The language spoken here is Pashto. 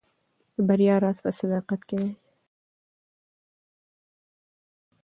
د بریا راز په صداقت کې دی.